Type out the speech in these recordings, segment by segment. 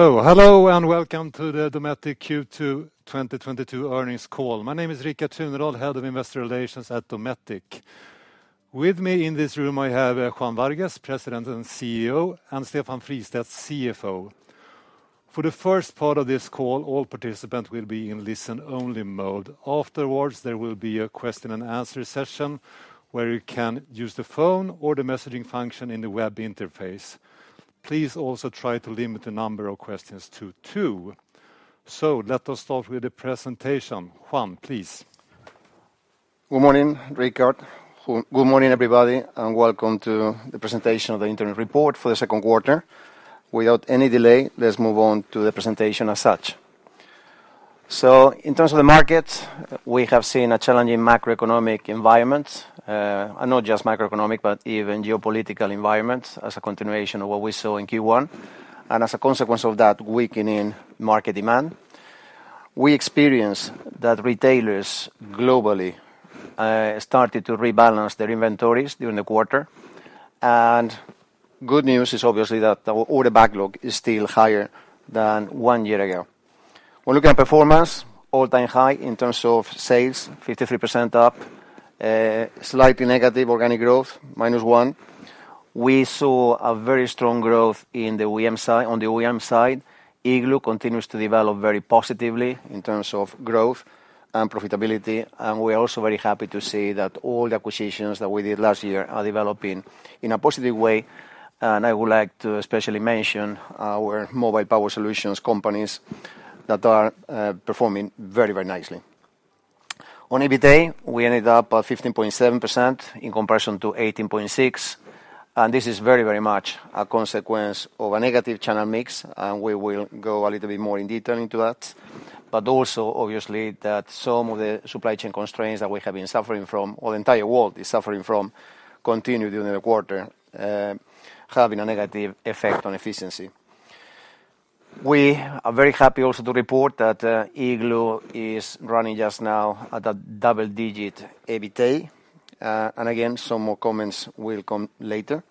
Hello and welcome to the Dometic Q2 2022 earnings call. My name is Rikard Tunedal, Head of Investor Relations at Dometic. With me in this room, I have Juan Vargues, President and CEO, and Stefan Fristedt, CFO. For the first part of this call, all participants will be in listen-only mode. Afterwards, there will be a question and answer session where you can use the phone or the messaging function in the web interface. Please also try to limit the number of questions to two. Let us start with the presentation. Juan, please. Good morning, Rikard. Good morning, everybody, and welcome to the presentation of the interim report for the Q2. Without any delay, let's move on to the presentation as such. In terms of the market, we have seen a challenging macroeconomic environment. Not just macroeconomic, but even geopolitical environment as a continuation of what we saw in Q1, and as a consequence of that weakening market demand. We experienced that retailers globally started to rebalance their inventories during the quarter. Good news is obviously that the order backlog is still higher than one year ago. When looking at performance, all-time high in terms of sales, 53% up, slightly negative organic growth, -1%. We saw a very strong growth on the OEM side. Igloo continues to develop very positively in terms of growth and profitability, and we are also very happy to see that all the acquisitions that we did last year are developing in a positive way. I would like to especially mention our mobile power solutions companies that are performing very, very nicely. On EBITDA, we ended up at 15.7% in comparison to 18.6%, and this is very, very much a consequence of a negative channel mix, and we will go a little bit more in detail into that. Also, obviously, that some of the supply chain constraints that we have been suffering from, or the entire world is suffering from, continued during the quarter, having a negative effect on efficiency. We are very happy also to report that Igloo is running just now at a double-digit EBITDA. Again, some more comments will come later.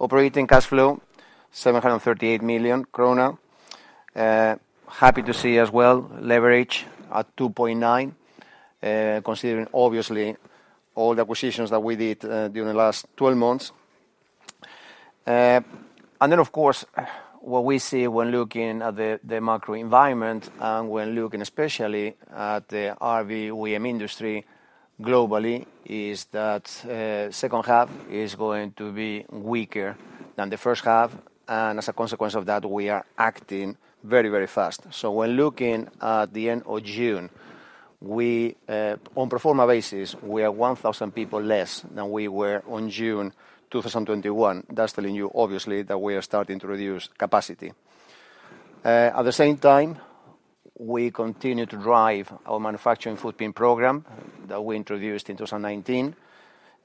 Operating cash flow, 738 million krona. Happy to see as well leverage at 2.9, considering obviously all the acquisitions that we did during the last twelve months. Of course, what we see when looking at the macro environment and when looking especially at the RV OEM industry globally is that second half is going to be weaker than the first half. As a consequence of that, we are acting very, very fast. When looking at the end of June, on pro forma basis, we are 1,000 people less than we were on June 2021. That's telling you obviously that we are starting to reduce capacity. At the same time, we continue to drive our manufacturing footprint program that we introduced in 2019.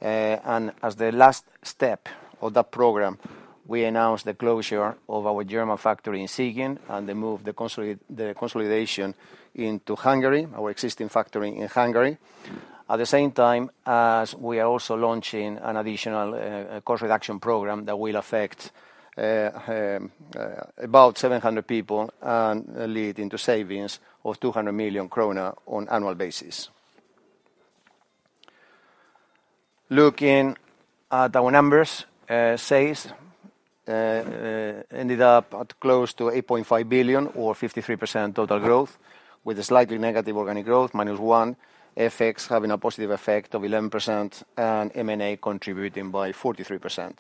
As the last step of that program, we announced the closure of our German factory in Siegen and the consolidation into Hungary, our existing factory in Hungary. At the same time as we are also launching an additional cost reduction program that will affect about 700 people and lead into savings of 200 million kronor on annual basis. Looking at our numbers, sales ended up at close to 8.5 billion or 53% total growth with a slightly negative organic growth -1%. FX having a positive effect of 11% and M&A contributing by 43%.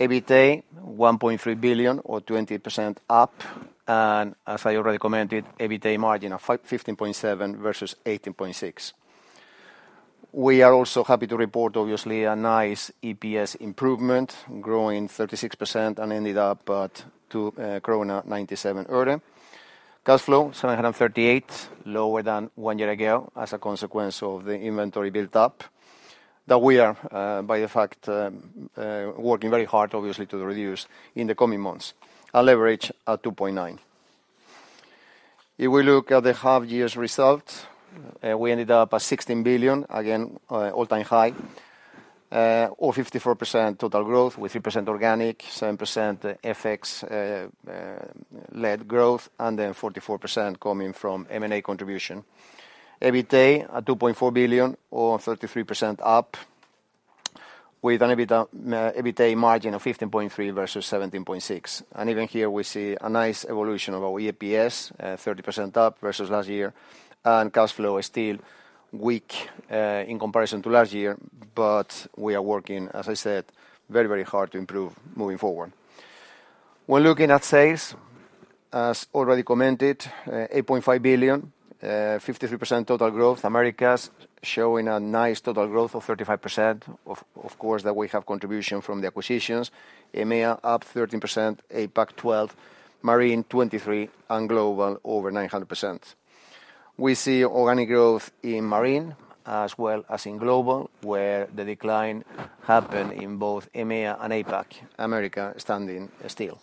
EBITDA 1.3 billion or 20% up. As I already commented, EBITDA margin of 15.7% versus 18.6%. We are also happy to report obviously a nice EPS improvement, growing 36% and ended up at 2.97 krona. Cash flow 738, lower than one year ago as a consequence of the inventory build up that we are working very hard, obviously, to reduce in the coming months. Our leverage at 2.9. If we look at the half year's result, we ended up at 16 billion, again, all-time high, of 54% total growth with 3% organic, 7% FX-led growth, and then 44% coming from M&A contribution. EBITDA at 2.4 billion or 33% up with an EBITDA margin of 15.3% versus 17.6%. Even here we see a nice evolution of our EPS, 30% up versus last year. Cash flow is still weak in comparison to last year, but we are working, as I said, very, very hard to improve moving forward. When looking at sales, as already commented, 8.5 billion, 53% total growth. Americas showing a nice total growth of 35% of course, that we have contribution from the acquisitions. EMEA up 13%, APAC 12%, Marine 23%, and Global over 900%. We see organic growth in Marine as well as in Global, where the decline happened in both EMEA and APAC, Americas standing still.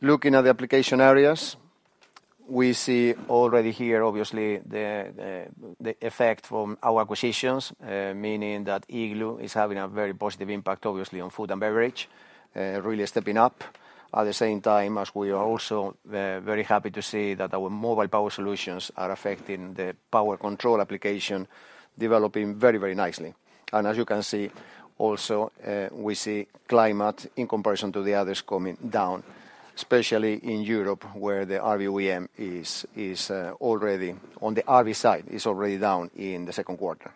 Looking at the application areas. We see already here, obviously, the effect from our acquisitions, meaning that Igloo is having a very positive impact, obviously, on food and beverage, really stepping up. At the same time as we are also very happy to see that our Mobile Power Solutions are affecting the power control application, developing very nicely. As you can see, also, we see climate in comparison to the others coming down, especially in Europe, where the RV OEM is already on the RV side, is already down in the second quarter.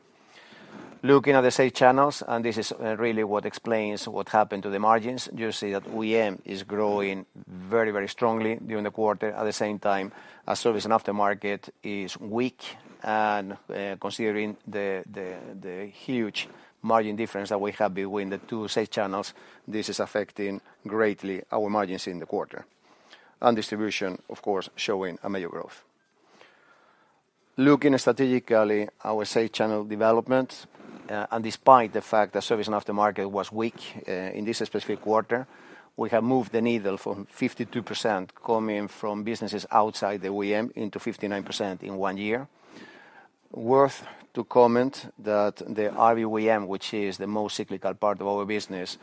Looking at the sales channels, and this is really what explains what happened to the margins. You see that OEM is growing very strongly during the quarter. At the same time, our service and aftermarket is weak and, considering the huge margin difference that we have between the two sales channels, this is affecting greatly our margins in the quarter. Distribution, of course, showing a major growth. Looking strategically our sales channel development, and despite the fact that service and aftermarket was weak, in this specific quarter, we have moved the needle from 52% coming from businesses outside the OEM into 59% in one year. Worth to comment that the RV OEM, which is the most cyclical part of our business,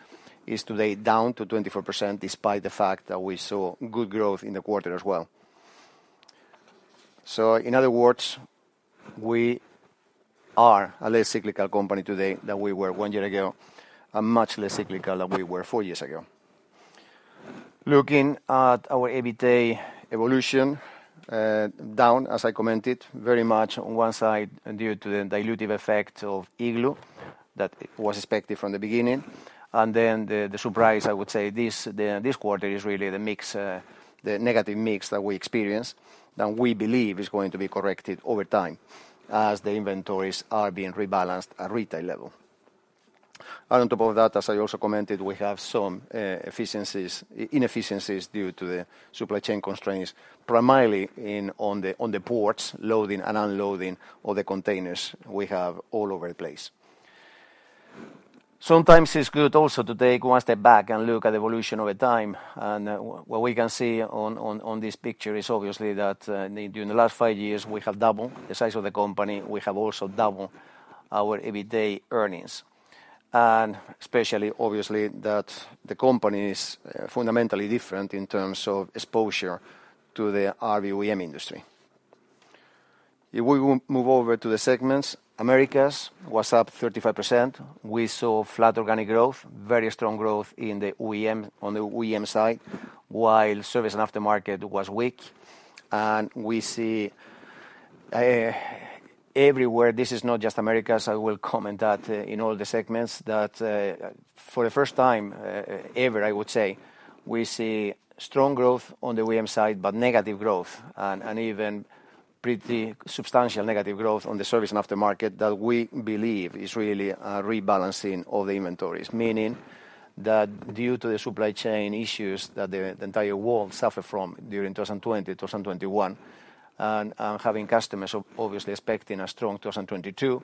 is today down to 24%, despite the fact that we saw good growth in the quarter as well. In other words, we are a less cyclical company today than we were one year ago, and much less cyclical than we were four years ago. Looking at our EBITA evolution, down, as I commented, very much on one side due to the dilutive effect of Igloo that was expected from the beginning. The surprise, I would say, this quarter is really the mix, the negative mix that we experienced, that we believe is going to be corrected over time as the inventories are being rebalanced at retail level. On top of that, as I also commented, we have some inefficiencies due to the supply chain constraints, primarily on the ports, loading and unloading all the containers we have all over the place. Sometimes it's good also to take one step back and look at evolution over time. What we can see on this picture is obviously that during the last five years, we have doubled the size of the company. We have also doubled our EBITA earnings. Especially, obviously, that the company is fundamentally different in terms of exposure to the RV OEM industry. If we move over to the segments, Americas was up 35%. We saw flat organic growth, very strong growth in the OEM, on the OEM side, while service and aftermarket was weak. We see everywhere, this is not just Americas, I will comment that in all the segments, that for the first time ever, I would say, we see strong growth on the OEM side, but negative growth and even pretty substantial negative growth on the service and aftermarket that we believe is really a rebalancing of the inventories. Meaning that due to the supply chain issues that the entire world suffered from during 2020, 2021, and having customers obviously expecting a strong 2022,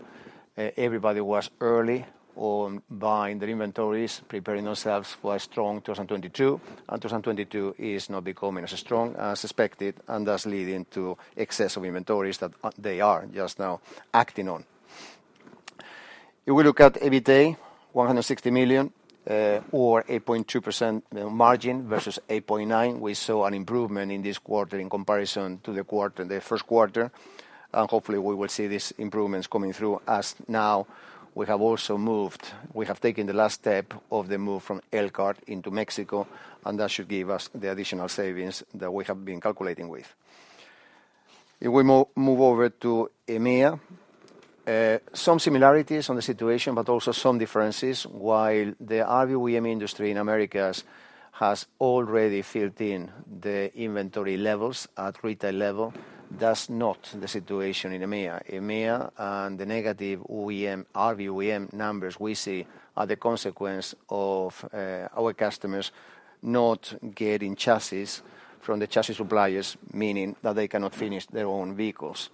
everybody was early on buying their inventories, preparing ourselves for a strong 2022, and 2022 is not becoming as strong as suspected, and thus leading to excess of inventories that they are just now acting on. If we look at EBITA, 160 million, or 8.2% margin versus 8.9%, we saw an improvement in this quarter in comparison to the Q1. Hopefully, we will see these improvements coming through as now we have also moved. We have taken the last step of the move from Elkhart into Mexico, and that should give us the additional savings that we have been calculating with. If we move over to EMEA, some similarities on the situation, but also some differences. While the RV OEM industry in Americas has already filled in the inventory levels at retail level, that's not the situation in EMEA. EMEA and the negative OEM, RV OEM numbers we see are the consequence of our customers not getting chassis from the chassis suppliers, meaning that they cannot finish their own vehicles.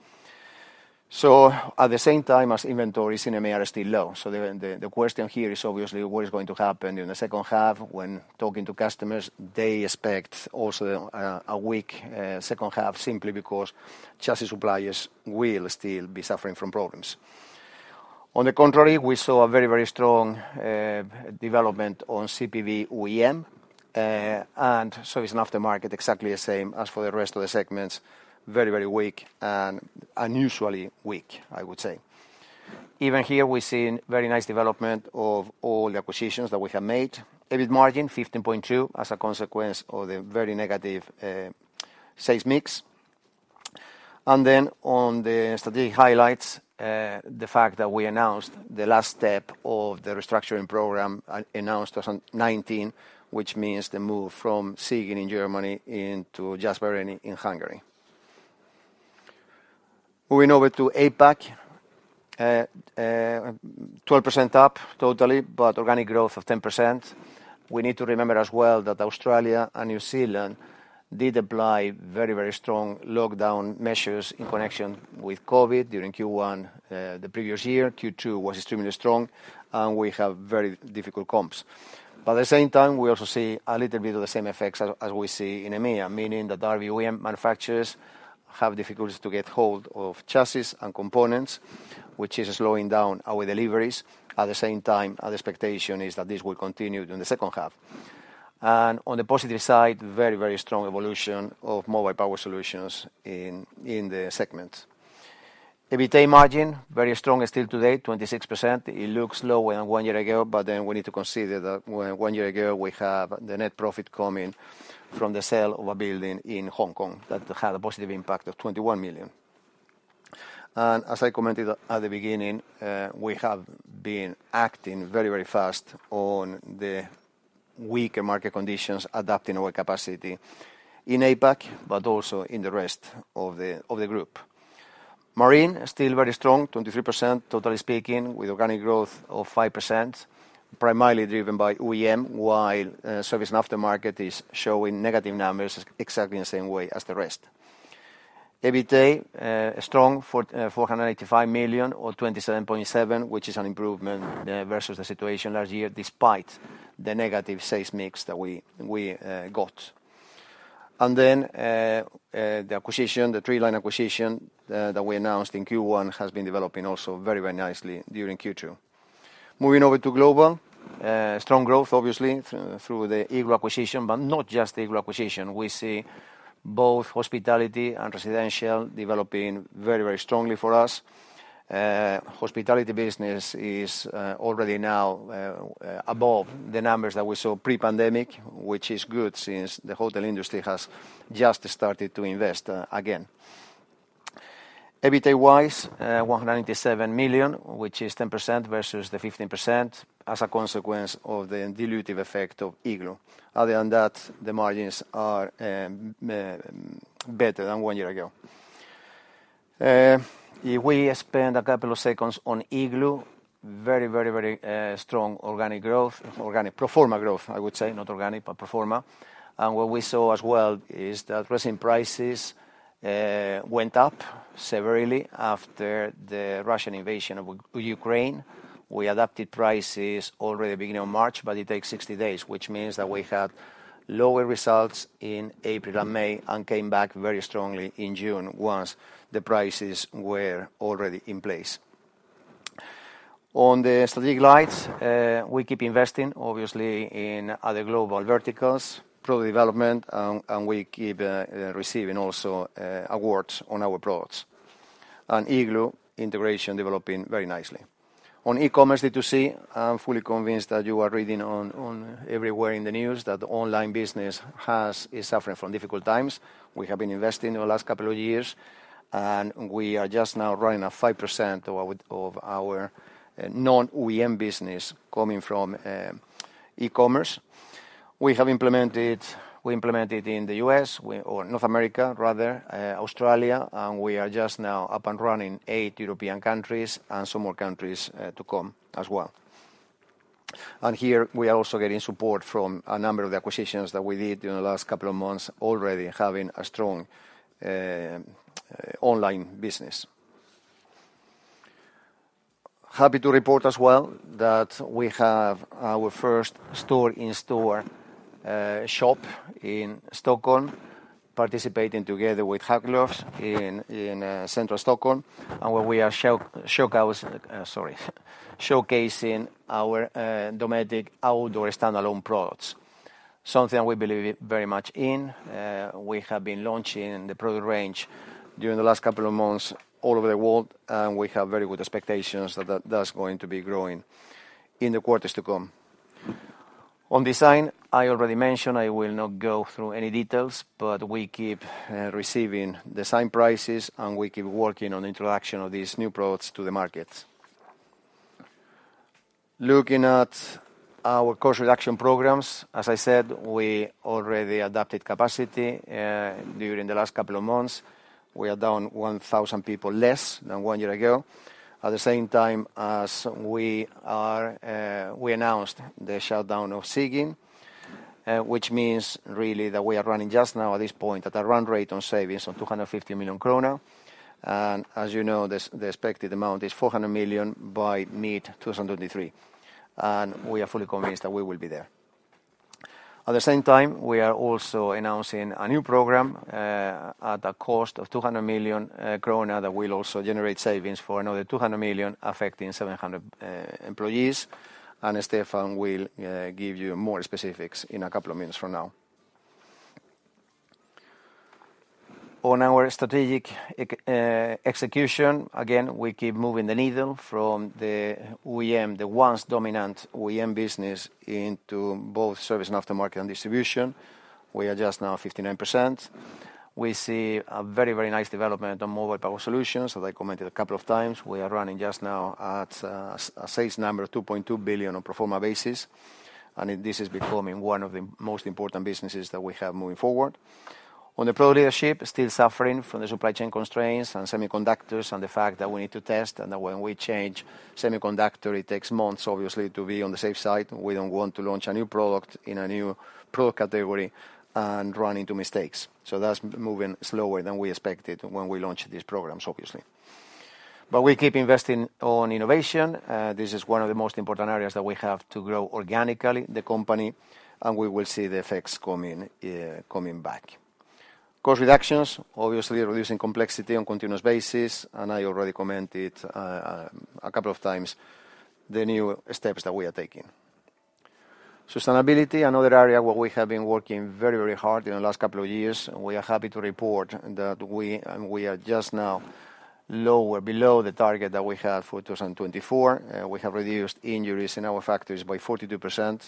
At the same time as inventories in EMEA are still low. The question here is obviously what is going to happen in the second half when talking to customers, they expect also a weak second half simply because chassis suppliers will still be suffering from problems. On the contrary, we saw a very, very strong development on CPV OEM and service and aftermarket exactly the same as for the rest of the segments, very, very weak and unusually weak, I would say. Even here, we've seen very nice development of all the acquisitions that we have made. EBIT margin 15.2% as a consequence of the very negative sales mix. On the strategic highlights, the fact that we announced the last step of the restructuring program announced 2019, which means the move from Siegen in Germany into Jászberény in Hungary. Moving over to APAC, 12% up totally, but organic growth of 10%. We need to remember as well that Australia and New Zealand did apply very, very strong lockdown measures in connection with COVID during Q1, the previous year. Q2 was extremely strong, and we have very difficult comps. At the same time, we also see a little bit of the same effects as we see in EMEA, meaning that RV OEM manufacturers have difficulties to get hold of chassis and components, which is slowing down our deliveries. At the same time, our expectation is that this will continue during the second half. On the positive side, very, very strong evolution of Mobile Power Solutions in the segment. EBITA margin very strong still today, 26%. It looks lower than one year ago, but then we need to consider that one year ago, we have the net profit coming from the sale of a building in Hong Kong that had a positive impact of 21 million. As I commented at the beginning, we have been acting very, very fast on the weaker market conditions, adapting our capacity in APAC, but also in the rest of the group. Marine, still very strong, 23% totally speaking, with organic growth of 5%, primarily driven by OEM, while service and aftermarket is showing negative numbers exactly in the same way as the rest. EBITA, strong 485 million or 27.7%, which is an improvement versus the situation last year, despite the negative sales mix that we got. Then, the acquisition, the Tread acquisition that we announced in Q1 has been developing also very, very nicely during Q2. Moving over to global. Strong growth, obviously, through the Igloo acquisition, but not just the Igloo acquisition. We see both hospitality and residential developing very, very strongly for us. Hospitality business is already now above the numbers that we saw pre-pandemic, which is good since the hotel industry has just started to invest again. EBITA wise, 197 million, which is 10% versus the 15% as a consequence of the dilutive effect of Igloo. Other than that, the margins are better than one year ago. If we spend a couple of seconds on Igloo, very strong organic growth, organic pro forma growth, I would say. Not organic, but pro forma. What we saw as well is that resin prices went up severely after the Russian invasion of Ukraine. We adapted prices already beginning of March, but it takes 60 days, which means that we had lower results in April and May and came back very strongly in June once the prices were already in place. On the strategic fronts, we keep investing, obviously, in other global verticals, product development, and we keep receiving also awards on our products. Igloo integration developing very nicely. On e-commerce D2C, I'm fully convinced that you are reading everywhere in the news that the online business is suffering from difficult times. We have been investing over the last couple of years, and we are just now running at 5% of our non-OEM business coming from e-commerce. We implemented in the US, or North America, rather, Australia, and we are just now up and running in eight European countries and some more countries to come as well. Here we are also getting support from a number of the acquisitions that we did in the last couple of months already having a strong online business. Happy to report as well that we have our first store-in-store shop in Stockholm, participating together with Haglöfs in central Stockholm, and where we are showcasing our Dometic Outdoor standalone products, something we believe very much in. We have been launching the product range during the last couple of months all over the world, and we have very good expectations that that's going to be growing in the quarters to come. On design, I already mentioned, I will not go through any details, but we keep receiving design prizes, and we keep working on the introduction of these new products to the market. Looking at our cost reduction programs, as I said, we already adapted capacity during the last couple of months. We are down 1,000 people less than one year ago. At the same time as we are, we announced the shutdown of Siegen, which means really that we are running just now at this point at a run rate on savings of 250 million krona. As you know, the expected amount is 400 million by mid-2023. We are fully convinced that we will be there. At the same time, we are also announcing a new program at a cost of 200 million krona that will also generate savings for another 200 million affecting 700 employees. Stefan will give you more specifics in a couple of minutes from now. On our strategic execution, again, we keep moving the needle from the OEM, the once dominant OEM business, into both service and aftermarket and distribution. We are just now 59%. We see a very, very nice development on Mobile Power Solutions. As I commented a couple of times, we are running just now at a sales number of 2.2 billion on pro forma basis. This is becoming one of the most important businesses that we have moving forward. On the product leadership, still suffering from the supply chain constraints and semiconductors and the fact that we need to test, and that when we change semiconductor, it takes months, obviously, to be on the safe side. We don't want to launch a new product in a new product category and run into mistakes. That's moving slower than we expected when we launched these programs, obviously. We keep investing on innovation. This is one of the most important areas that we have to grow organically the company, and we will see the effects coming back. Cost reductions, obviously reducing complexity on continuous basis, and I already commented a couple of times the new steps that we are taking. Sustainability, another area where we have been working very, very hard in the last couple of years, and we are happy to report that we are just now lower below the target that we have for 2024. We have reduced injuries in our factories by 42%.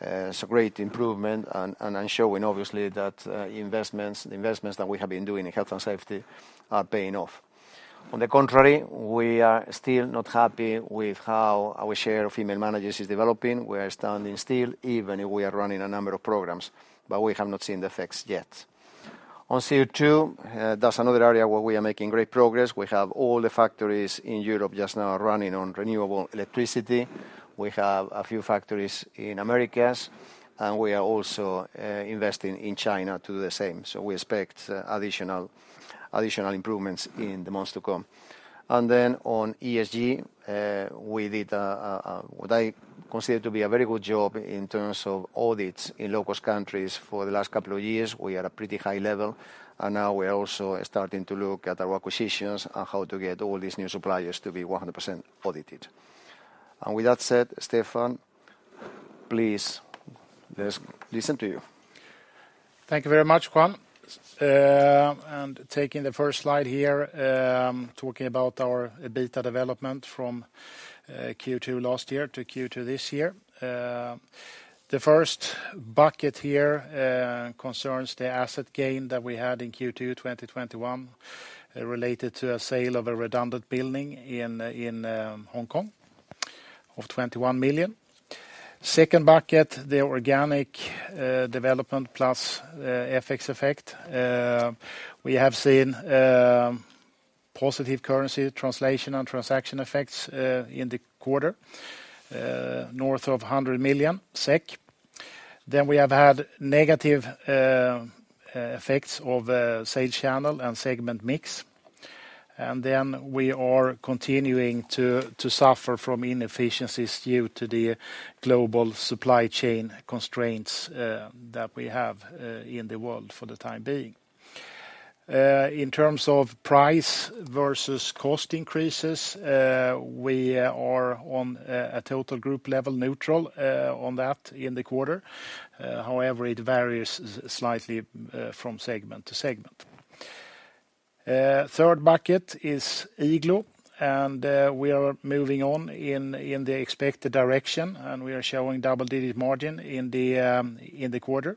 It's a great improvement and ensuring obviously that investments that we have been doing in health and safety are paying off. On the contrary, we are still not happy with how our share of female managers is developing. We are standing still, even if we are running a number of programs, but we have not seen the effects yet. On CO2, that's another area where we are making great progress. We have all the factories in Europe just now running on renewable electricity. We have a few factories in Americas, and we are also investing in China to do the same. We expect additional improvements in the months to come. On ESG, we did what I consider to be a very good job in terms of audits in low-cost countries for the last couple of years. We are at a pretty high level, and now we are also starting to look at our acquisitions and how to get all these new suppliers to be 100% audited. With that said, Stefan, please, let's listen to you. Thank you very much, Juan Vargues. Taking the first slide here, talking about our EBITDA development from Q2 last year to Q2 this year. The first bucket here concerns the asset gain that we had in Q2 2021 related to a sale of a redundant building in Hong Kong of 21 million. Second bucket, the organic development plus FX effect. We have seen positive currency translation and transaction effects in the quarter north of 100 million SEK. Then we have had negative effects of sales channel and segment mix. Then we are continuing to suffer from inefficiencies due to the global supply chain constraints that we have in the world for the time being. In terms of price versus cost increases, we are on a total Group level neutral on that in the quarter. However, it varies slightly from segment to segment. Third bucket is Igloo, and we are moving on in the expected direction, and we are showing double-digit margin in the quarter.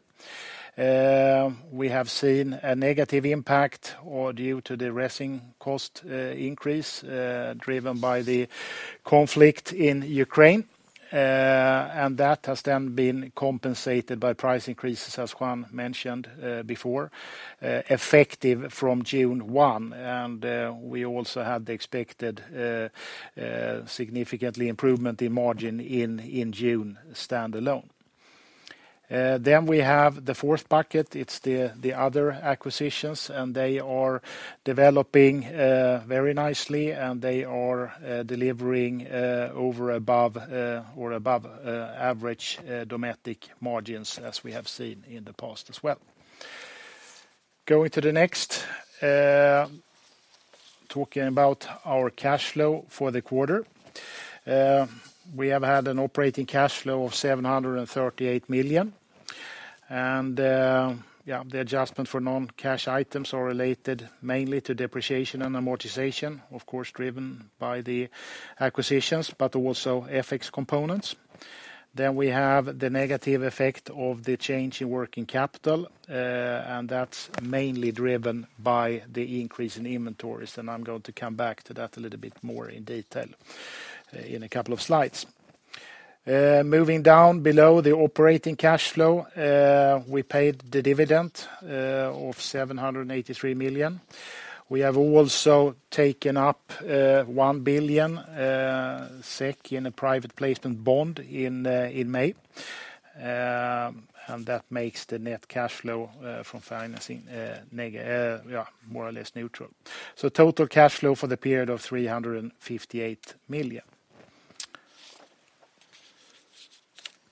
We have seen a negative impact due to the rising cost increase driven by the conflict in Ukraine. That has then been compensated by price increases, as Juan mentioned before, effective from June 1. We also had the expected significantly improvement in margin in June standalone. We have the fourth bucket. It's the other acquisitions, and they are developing very nicely, and they are delivering over or above average Dometic margins as we have seen in the past as well. Going to the next, talking about our cash flow for the quarter. We have had an operating cash flow of 738 million. The adjustment for non-cash items are related mainly to depreciation and amortization, of course, driven by the acquisitions, but also FX components. We have the negative effect of the change in working capital, and that's mainly driven by the increase in inventories. I'm going to come back to that a little bit more in detail, in a couple of slides. Moving down below the operating cash flow, we paid the dividend of 783 million. We have also taken up 1 billion SEK in a private placement bond in May. And that makes the net cash flow from financing more or less neutral. Total cash flow for the period of 358 million.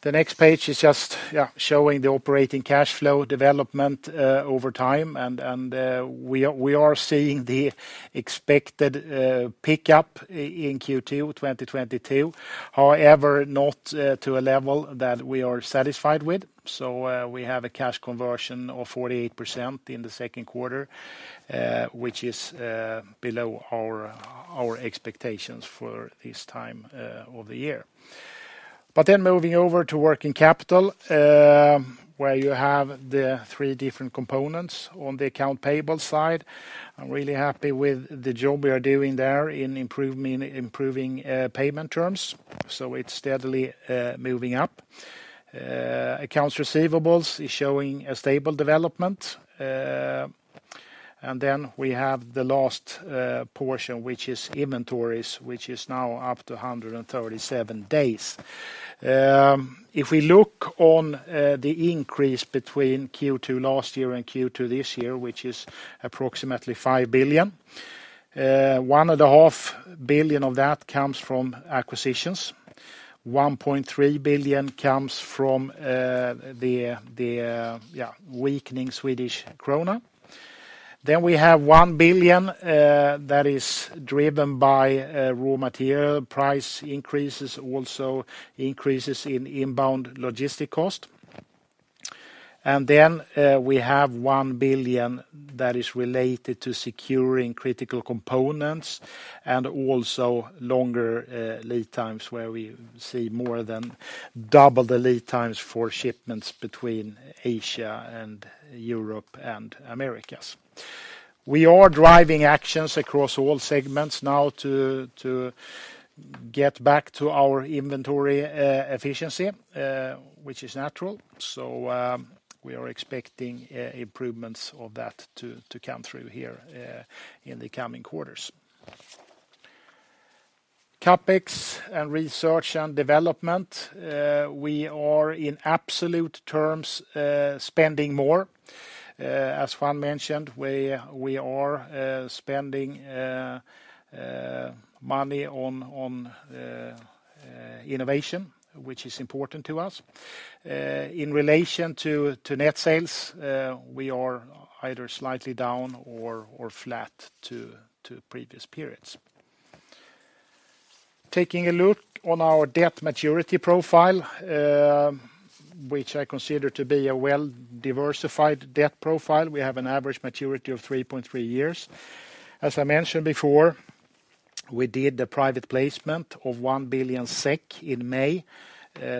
The next page is just showing the operating cash flow development over time. We are seeing the expected pickup in Q2 2022, however, not to a level that we are satisfied with. We have a cash conversion of 48% in the Q2, which is below our expectations for this time of the year. Moving over to working capital, where you have the three different components on the accounts payable side. I'm really happy with the job we are doing there in improving payment terms. It's steadily moving up. Accounts receivable is showing a stable development. We have the last portion, which is inventories, which is now up to 137 days. If we look on the increase between Q2 last year and Q2 this year, which is approximately 5 billion. 1.5 billion of that comes from acquisitions. 1.3 billion comes from the weakening Swedish krona. We have 1 billion that is driven by raw material price increases, also increases in inbound logistics costs. We have 1 billion that is related to securing critical components and also longer lead times where we see more than double the lead times for shipments between Asia, and Europe, and Americas. We are driving actions across all segments now to get back to our inventory efficiency, which is natural. We are expecting improvements of that to come through here in the coming quarters. CapEx and research and development, we are in absolute terms spending more. As Juan mentioned, we are spending money on innovation, which is important to us. In relation to net sales, we are either slightly down or flat to previous periods. Taking a look on our debt maturity profile, which I consider to be a well-diversified debt profile. We have an average maturity of three point three years. As I mentioned before, we did the private placement of 1 billion SEK in May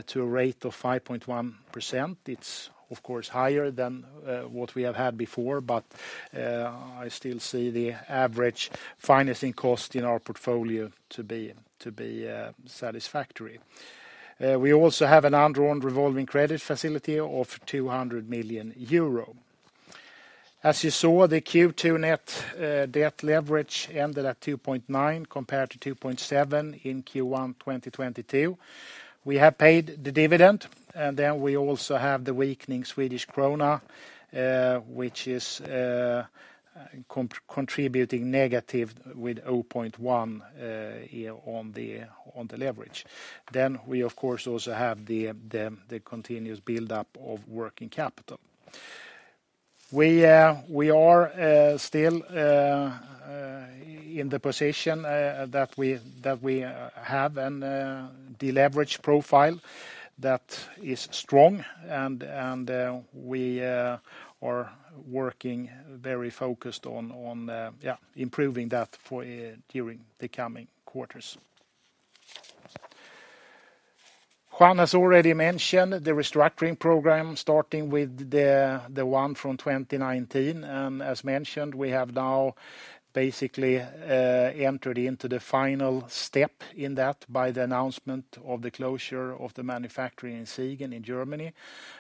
to a rate of 5.1%. It's of course higher than what we have had before, but I still see the average financing cost in our portfolio to be satisfactory. We also have an undrawn revolving credit facility of 200 million euro. As you saw, the Q2 net debt leverage ended at 2.9 compared to 2.7 in Q1 2022. We have paid the dividend, and then we also have the weakening Swedish krona, which is contributing negative with 0.1 on the leverage. We of course also have the continuous buildup of working capital. We are still in the position that we have a deleverage profile that is strong and we are working very focused on improving that during the coming quarters. Juan has already mentioned the restructuring program starting with the one from 2019, and as mentioned, we have now basically entered into the final step in that by the announcement of the closure of the manufacturing in Siegen in Germany.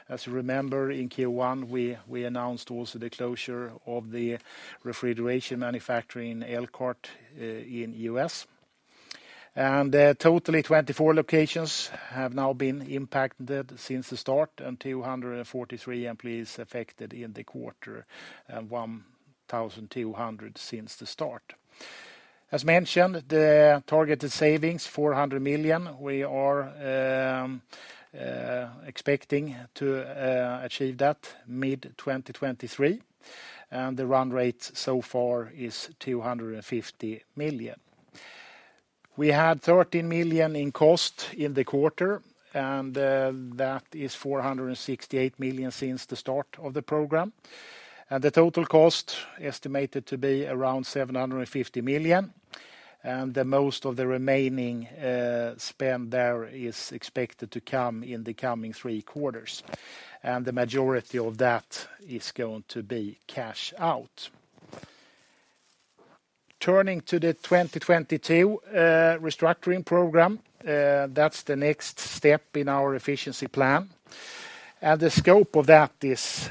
As you remember, in Q1, we announced also the closure of the refrigeration manufacturing in Elkhart in U.S. Totally 24 locations have now been impacted since the start, and 243 employees affected in the quarter, and 1,200 since the start. As mentioned, the targeted savings, 400 million, we are expecting to achieve that mid-2023, and the run rate so far is 250 million. We had 13 million in cost in the quarter, and that is 468 million since the start of the program. The total cost estimated to be around 750 million, and most of the remaining spend there is expected to come in the coming three quarters, and the majority of that is going to be cash out. Turning to the 2022 restructuring program, that's the next step in our efficiency plan. The scope of that is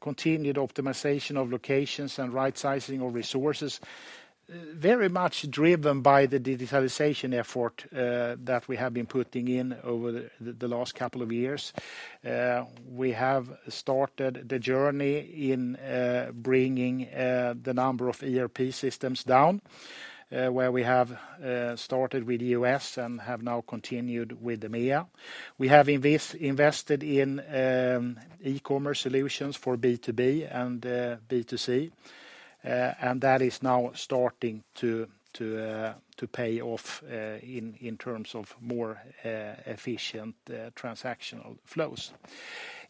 continued optimization of locations and right sizing of resources, very much driven by the digitalization effort that we have been putting in over the last couple of years. We have started the journey in bringing the number of ERP systems down, where we have started with US and have now continued with EMEA. We have invested in e-commerce solutions for B2B and B2C, and that is now starting to pay off in terms of more efficient transactional flows.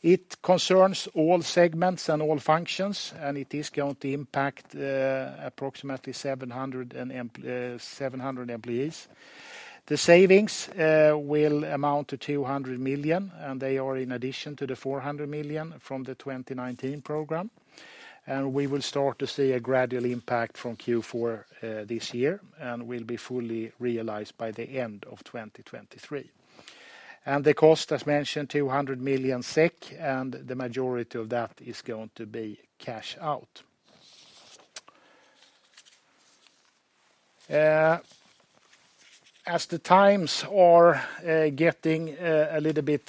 It concerns all segments and all functions, and it is going to impact approximately 700 employees. The savings will amount to 200 million, and they are in addition to the 400 million from the 2019 program. We will start to see a gradual impact from Q4 this year and will be fully realized by the end of 2023. The cost, as mentioned, 200 million SEK, and the majority of that is going to be cash out. As the times are getting a little bit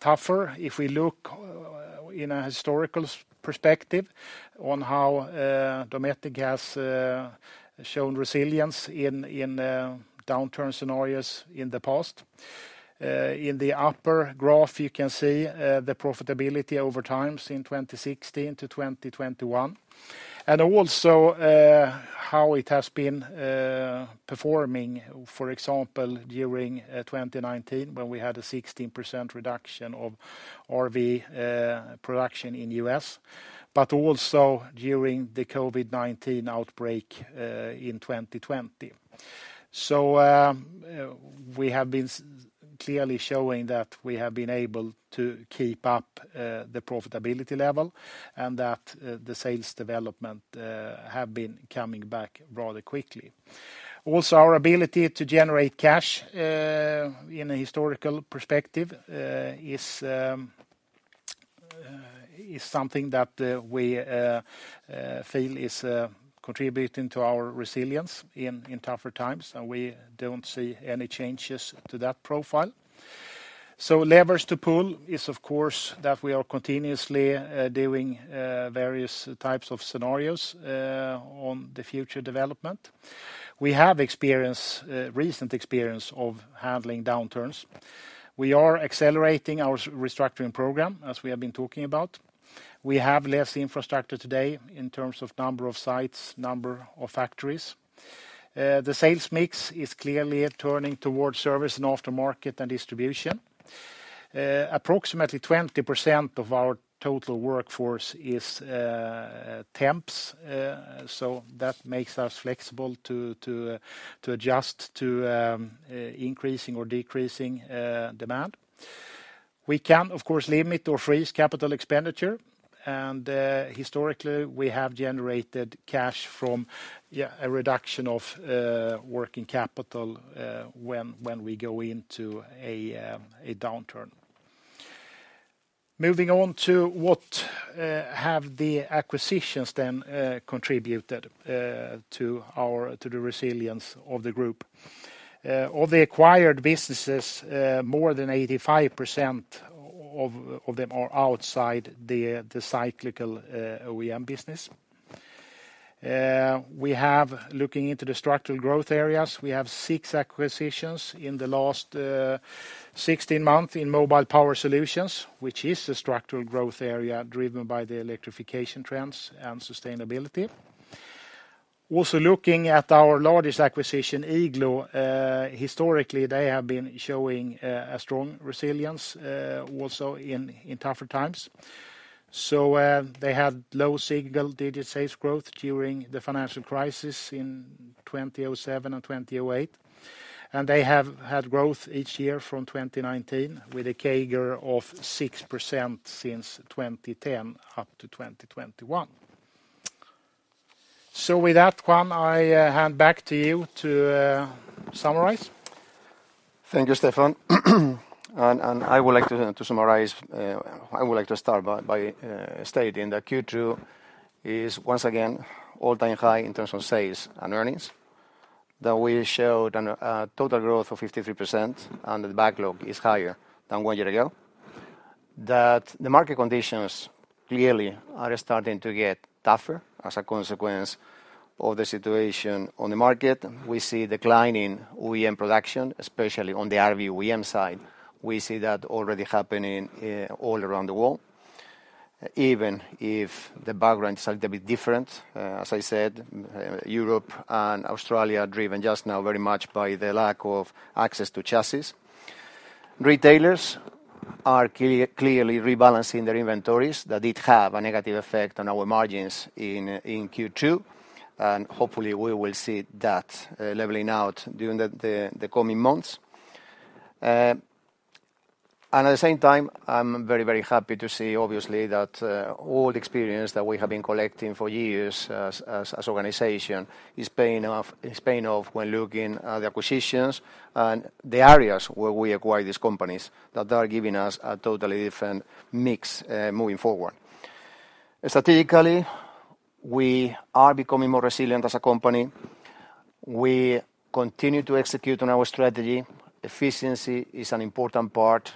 tougher, if we look in a historical perspective on how Dometic has shown resilience in downturn scenarios in the past. In the upper graph, you can see the profitability over time in 2016 to 2021, and also how it has been performing, for example, during 2019 when we had a 16% reduction of RV production in U.S., but also during the COVID-19 outbreak in 2020. We have been clearly showing that we have been able to keep up the profitability level and that the sales development have been coming back rather quickly. Also, our ability to generate cash in a historical perspective is something that we feel is contributing to our resilience in tougher times, and we don't see any changes to that profile. Levers to pull is, of course, that we are continuously doing various types of scenarios on the future development. We have recent experience of handling downturns. We are accelerating our restructuring program, as we have been talking about. We have less infrastructure today in terms of number of sites, number of factories. The sales mix is clearly turning towards service and aftermarket and distribution. Approximately 20% of our total workforce is temps, so that makes us flexible to adjust to increasing or decreasing demand. We can, of course, limit or freeze capital expenditure, and historically we have generated cash from a reduction of working capital when we go into a downturn. Moving on to what have the acquisitions then contributed to our, to the resilience of the group. Of the acquired businesses, more than 85% of them are outside the cyclical OEM business. We have, looking into the structural growth areas, we have 6 acquisitions in the last 16 months in Mobile Power Solutions, which is a structural growth area driven by the electrification trends and sustainability. Also, looking at our largest acquisition, Igloo, historically, they have been showing a strong resilience also in tougher times. They had low single-digit sales growth during the financial crisis in 2007 and 2008, and they have had growth each year from 2019 with a CAGR of 6% since 2010 up to 2021. With that, Juan, I hand back to you to summarize. Thank you, Stefan. I would like to start by stating that Q2 is once again all-time high in terms of sales and earnings. We showed total growth of 53% and the backlog is higher than one year ago. The market conditions clearly are starting to get tougher as a consequence of the situation on the market. We see declining OEM production, especially on the RV OEM side. We see that already happening all around the world, even if the background is slightly different. Europe and Australia are driven just now very much by the lack of access to chassis. Retailers are clearly rebalancing their inventories that did have a negative effect on our margins in Q2, and hopefully we will see that leveling out during the coming months. At the same time, I'm very, very happy to see, obviously, that all the experience that we have been collecting for years as organization is paying off when looking at the acquisitions and the areas where we acquire these companies, that they are giving us a totally different mix moving forward. Strategically, we are becoming more resilient as a company. We continue to execute on our strategy. Efficiency is an important part.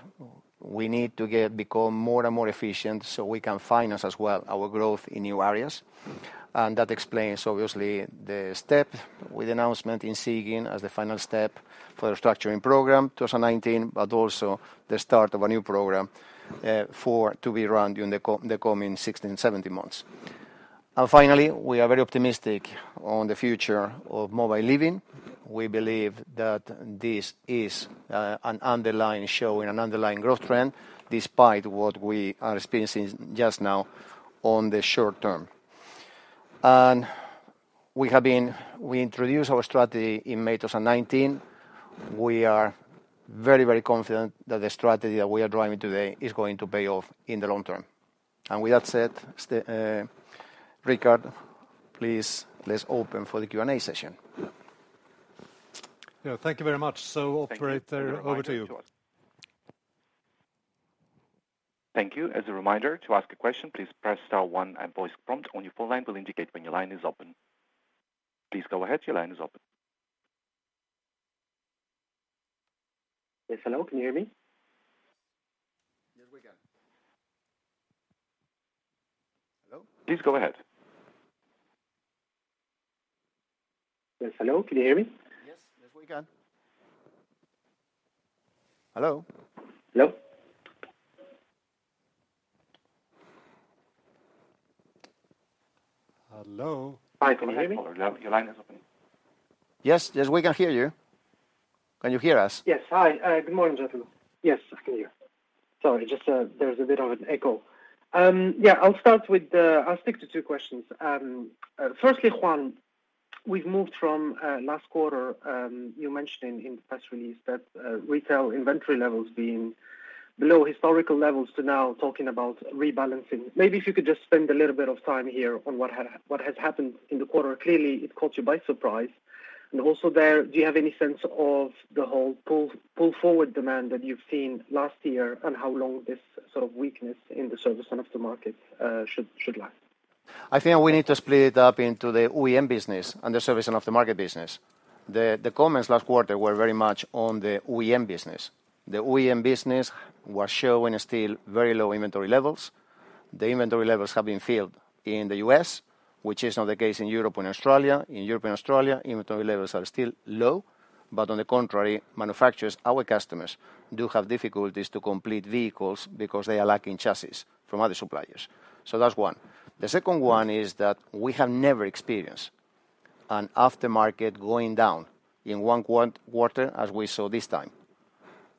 We need to become more and more efficient so we can finance as well our growth in new areas. That explains, obviously, the step with announcement in Siegen as the final step for the restructuring program, 2019, but also the start of a new program, for to be run during the coming 16-17 months. Finally, we are very optimistic on the future of mobile living. We believe that this is an underlying sure and an underlying growth trend, despite what we are experiencing just now on the short term. We introduced our strategy in May 2019. We are very, very confident that the strategy that we are driving today is going to pay off in the long term. With that said, Rikard, please, let's open for the Q&A session. Yeah. Thank you very much. Operator, over to you. Thank you. As a reminder, to ask a question, please press star one, a voice prompt on your phone line will indicate when your line is open. Please go ahead. Your line is open. Yes, hello. Can you hear me? Yes, we can. Hello? Please go ahead. Yes, hello. Can you hear me? Yes. Yes, we can. Hello? Hello? Hello. Hi. Can you hear me? Your line is open. Yes. Yes, we can hear you. Can you hear us? Yes. Hi. Good morning, gentlemen. Yes, I can hear you. Sorry, just, there's a bit of an echo. Yeah, I'll stick to two questions. Firstly, Juan, we've moved from last quarter, you mentioning in the press release that retail inventory levels being below historical levels to now talking about rebalancing. Maybe if you could just spend a little bit of time here on what has happened in the quarter. Clearly, it caught you by surprise. Also there, do you have any sense of the whole pull forward demand that you've seen last year, and how long this sort of weakness in the service and aftermarket should last? I think we need to split it up into the OEM business and the service and aftermarket business. The comments last quarter were very much on the OEM business. The OEM business was showing still very low inventory levels. The inventory levels have been filled in the US, which is not the case in Europe and Australia. In Europe and Australia, inventory levels are still low. On the contrary, manufacturers, our customers, do have difficulties to complete vehicles because they are lacking chassis from other suppliers. That's one. The second one is that we have never experienced and aftermarket going down inQ1 as we saw this time.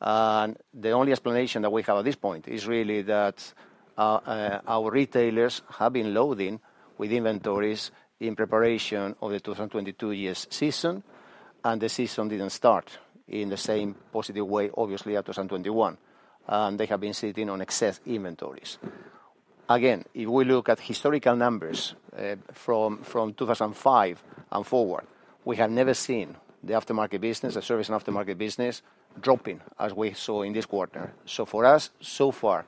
The only explanation that we have at this point is really that our retailers have been loading up with inventories in preparation of the 2022 year's season, and the season didn't start in the same positive way, obviously, as 2021, and they have been sitting on excess inventories. Again, if we look at historical numbers from 2005 and forward, we have never seen the aftermarket business, the service and aftermarket business dropping as we saw in this quarter. For us, so far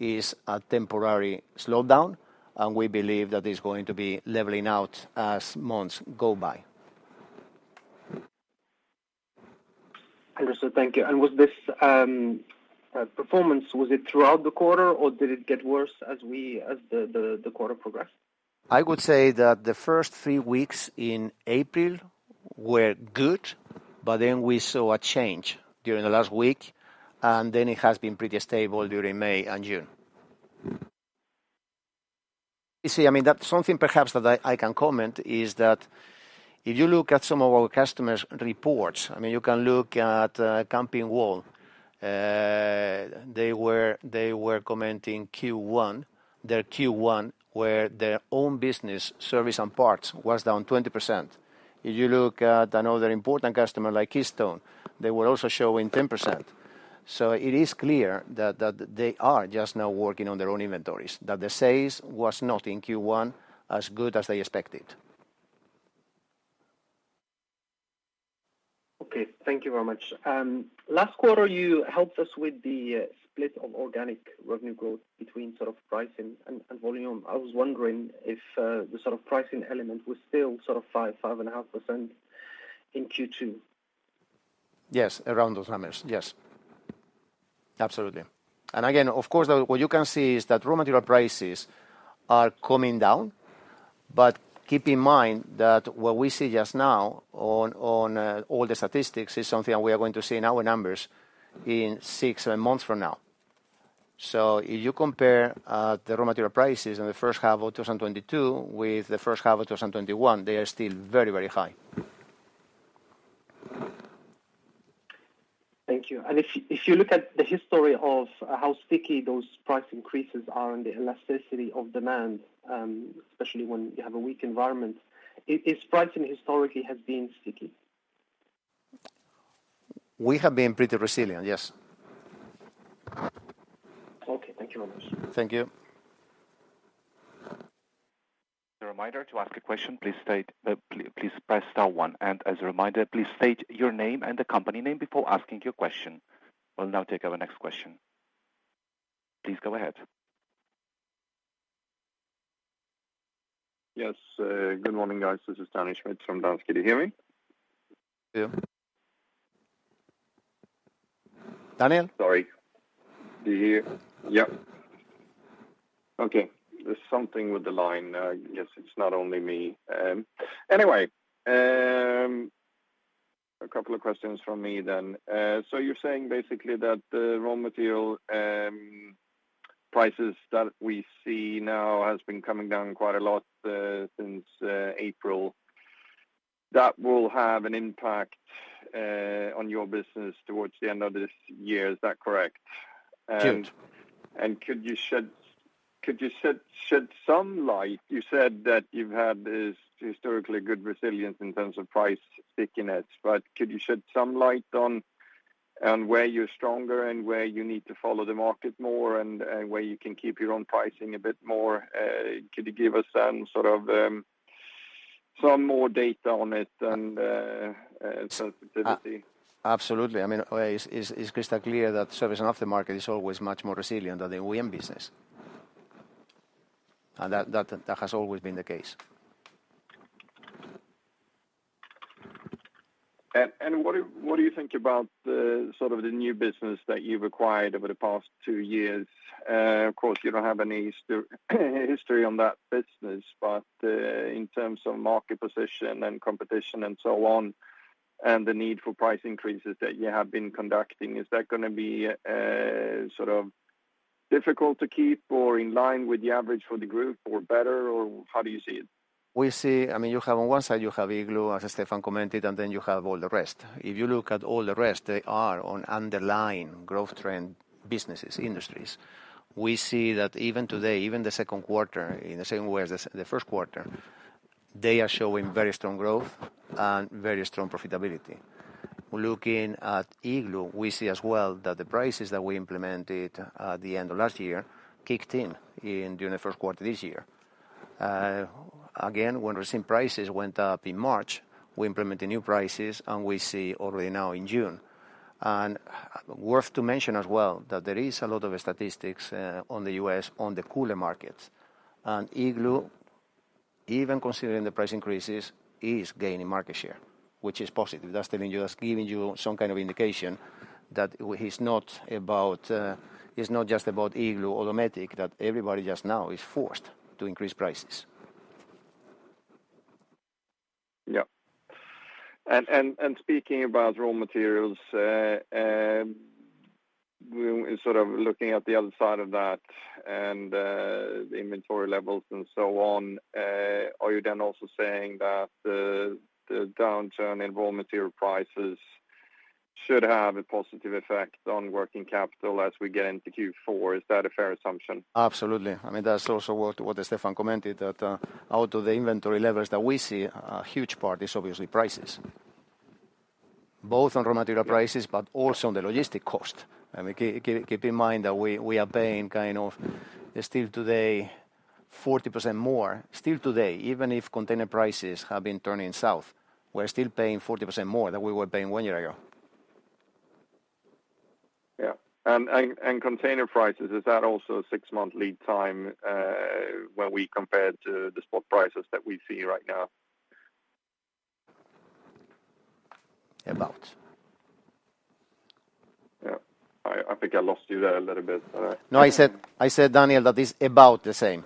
it is a temporary slowdown, and we believe that it's going to be leveling out as months go by. Understood. Thank you. Was this performance throughout the quarter, or did it get worse as the quarter progressed? I would say that the first three weeks in April were good, but then we saw a change during the last week, and then it has been pretty stable during May and June. You see, I mean, that something perhaps that I can comment is that if you look at some of our customers' reports, I mean, you can look at Camping World. They were commenting Q1, their Q1, where their own business service and parts was down 20%. If you look at another important customer like Keystone, they were also showing 10%. It is clear that they are just now working on their own inventories, that the sales was not in Q1 as good as they expected. Okay, thank you very much. Last quarter, you helped us with the split of organic revenue growth between sort of pricing and volume. I was wondering if the sort of pricing element was still sort of 5-5.5% in Q2. Yes, around those numbers. Yes. Absolutely. Again, of course, what you can see is that raw material prices are coming down. Keep in mind that what we see just now on all the statistics is something we are going to see in our numbers in six months from now. If you compare the raw material prices in the first half of 2022 with the first half of 2021, they are still very, very high. Thank you. If you look at the history of how sticky those price increases are and the elasticity of demand, especially when you have a weak environment, has pricing historically been sticky? We have been pretty resilient, yes. Okay, thank you very much. Thank you. A reminder to ask a question, please press star one. As a reminder, please state your name and the company name before asking your question. We'll now take our next question. Please go ahead. Yes. Good morning, guys. This is Daniel Schmidt from Danske. Can you hear me? Yeah. Daniel? Sorry. Do you hear? Yep. Okay. There's something with the line. Yes, it's not only me. Anyway, a couple of questions from me then. You're saying basically that the raw material prices that we see now has been coming down quite a lot since April. That will have an impact on your business towards the end of this year. Is that correct? Yes. Could you shed some light? You said that you've had this historically good resilience in terms of price stickiness. Could you shed some light on where you're stronger and where you need to follow the market more and where you can keep your own pricing a bit more? Could you give us some sort of some more data on it and sensitivity. Absolutely. I mean, it is crystal clear that service and aftermarket is always much more resilient than the OEM business. That has always been the case. What do you think about sort of the new business that you've acquired over the past two years? Of course, you don't have any history on that business, but in terms of market position and competition and so on, and the need for price increases that you have been conducting, is that gonna be sort of difficult to keep or in line with the average for the group or better? Or how do you see it? We see, I mean, you have on one side, you have Igloo, as Stefan commented, and then you have all the rest. If you look at all the rest, they are on underlying growth trend businesses, industries. We see that even today, even the Q2, in the same way as theQ1, they are showing very strong growth and very strong profitability. Looking at Igloo, we see as well that the prices that we implemented at the end of last year kicked in during the Q1 this year. Again, when recent prices went up in March, we implemented new prices, and we see already now in June. Worth to mention as well that there is a lot of statistics in the U.S., on the cooler markets. Igloo, even considering the price increases, is gaining market share, which is positive. That's telling you, that's giving you some kind of indication that it's not about, it's not just about Igloo automatic, that everybody just now is forced to increase prices. Yeah. Speaking about raw materials, in sort of looking at the other side of that and the inventory levels and so on, are you then also saying that the downturn in raw material prices should have a positive effect on working capital as we get into Q4? Is that a fair assumption? Absolutely. I mean, that's also what Stefan commented, that out of the inventory levels that we see, a huge part is obviously prices. Both on raw material prices, but also on the logistics cost. I mean, keep in mind that we are paying kind of still today 40% more. Still today, even if container prices have been turning south, we're still paying 40% more than we were paying one year ago. Container prices, is that also a six-month lead time, when we compare to the spot prices that we see right now? About. Yeah. I think I lost you there a little bit. No, I said, Daniel, that it's about the same.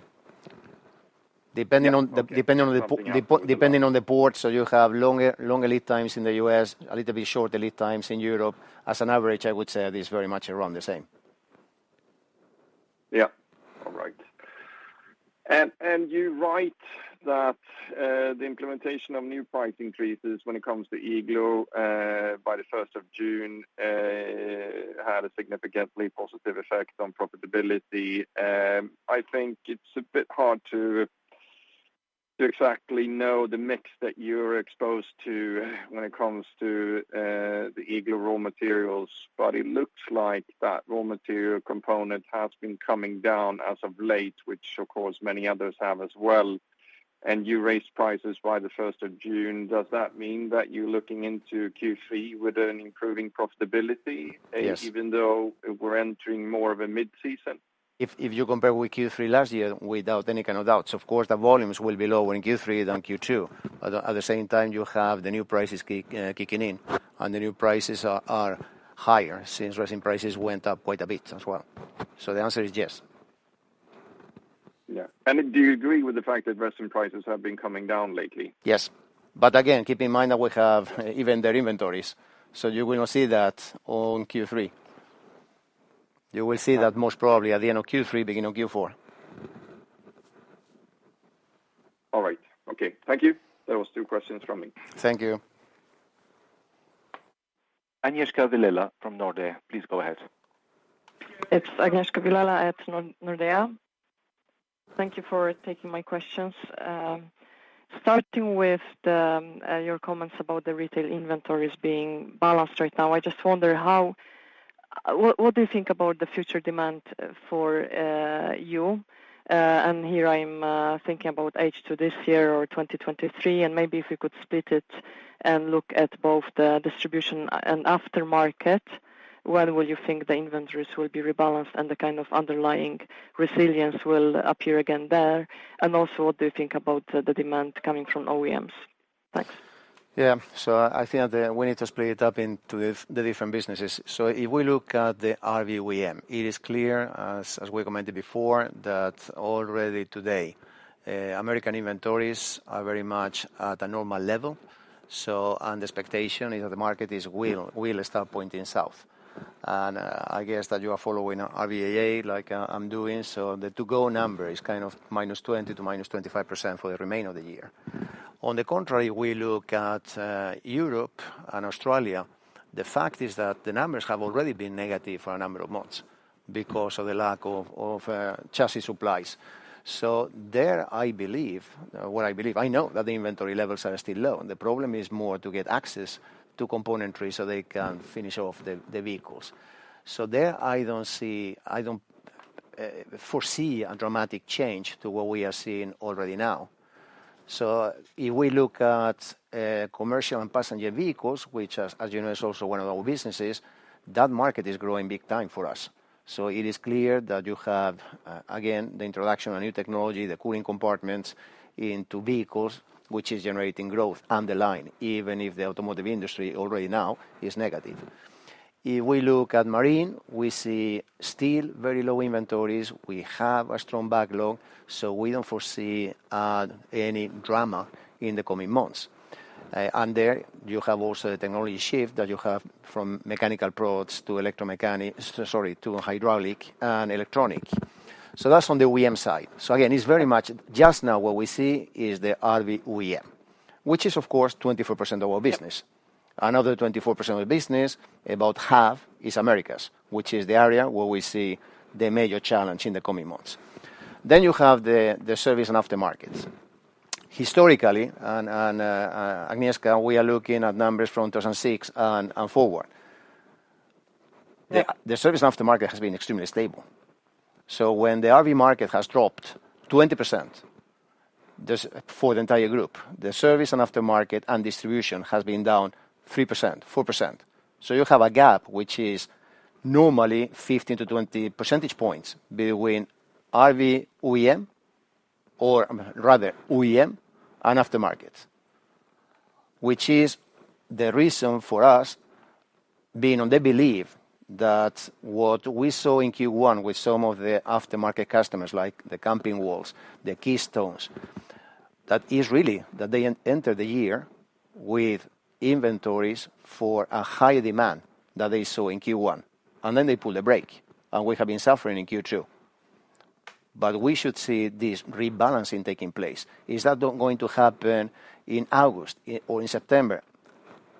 Yeah. Okay... depending on the port. You have longer lead times in the U.S., a little bit shorter lead times in Europe. As an average, I would say that it's very much around the same. Yeah. All right. You write that the implementation of new price increases when it comes to Igloo by the first of June had a significantly positive effect on profitability. I think it's a bit hard to exactly know the mix that you're exposed to when it comes to the Igloo raw materials. It looks like that raw material component has been coming down as of late, which of course, many others have as well. You raised prices by the first of June. Does that mean that you're looking into Q3 with an improving profitability? Yes. Even though we're entering more of a mid-season? If you compare with Q3 last year, without any kind of doubts, of course, the volumes will be lower in Q3 than Q2. At the same time, you have the new prices kicking in, and the new prices are higher since recent prices went up quite a bit as well. The answer is yes. Yeah. Do you agree with the fact that recent prices have been coming down lately? Yes. Again, keep in mind that we have even their inventories, so you will not see that on Q3. You will see that most probably at the end of Q3, beginning of Q4. All right. Okay. Thank you. That was two questions from me. Thank you. Agnieszka Vilela from Nordea, please go ahead. It's Agnieszka Vilela at Nordea. Thank you for taking my questions. Starting with your comments about the retail inventories being balanced right now. I just wonder what do you think about the future demand for you? And here I'm thinking about H2 this year or 2023, and maybe if you could split it and look at both the distribution and aftermarket, when will you think the inventories will be rebalanced and the kind of underlying resilience will appear again there? And also, what do you think about the demand coming from OEMs? Thanks. I think that we need to split it up into the different businesses. If we look at the RV OEM, it is clear, as we commented before, that already today, American inventories are very much at a normal level. The expectation is that the market will start pointing south. I guess that you are following RVIA like I'm doing, so the to-go number is kind of -20% to -25% for the remainder of the year. On the contrary, we look at Europe and Australia. The fact is that the numbers have already been negative for a number of months because of the lack of chassis supplies. There, I believe, I know that the inventory levels are still low. The problem is more to get access to componentry so they can finish off the vehicles. There, I don't see I don't foresee a dramatic change to what we are seeing already now. If we look at commercial and passenger vehicles, which as is also one of our businesses, that market is growing big time for us. It is clear that you have again the introduction of new technology, the cooling compartments into vehicles, which is generating growth underlying, even if the automotive industry already now is negative. If we look at marine, we see still very low inventories. We have a strong backlog, so we don't foresee any drama in the coming months. There you have also the technology shift that you have from mechanical products to hydraulic and electronic. That's on the OEM side. Again, it's very much just now what we see is the RV OEM, which is of course 24% of our business. Another 24% of the business, about half, is Americas, which is the area where we see the major challenge in the coming months. You have the service and aftermarkets. Historically, and Agnieszka, we are looking at numbers from 2006 and forward. The service aftermarket has been extremely stable. When the RV market has dropped 20%, this for the entire group, the service and aftermarket and distribution has been down 3%, 4%. You have a gap which is normally 15-20 percentage points between RV OEM or rather OEM and aftermarket, which is the reason for us being on the belief that what we saw in Q1 with some of the aftermarket customers, like the Camping World, the Keystone, that is really that they enter the year with inventories for a high demand that they saw in Q1, and then they pull the brake, and we have been suffering in Q2. We should see this rebalancing taking place. Is that going to happen in August or in September?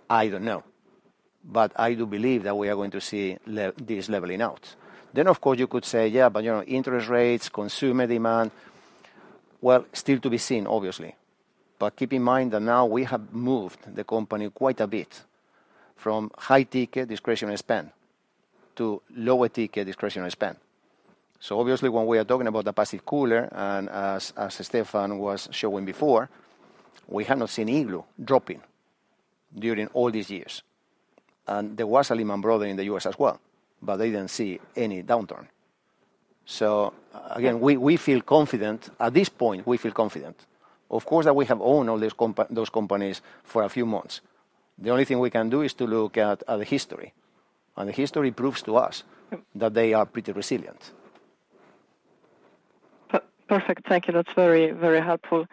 I don't know. I do believe that we are going to see this leveling out. Of course you could say, "Yeah, but interest rates, consumer demand." Well, still to be seen obviously. Keep in mind that now we have moved the company quite a bit from high-ticket discretionary spend to lower-ticket discretionary spend. Obviously, when we are talking about the passive cooler, and as Stefan was showing before, we have not seen Igloo dropping during all these years. There was a Lehman Brothers in the US as well, but they didn't see any downturn. Again, we feel confident. At this point, we feel confident. Of course, that we have owned all those those companies for a few months. The only thing we can do is to look at the history, and the history proves to us that they are pretty resilient. Perfect. Thank you. That's very, very helpful.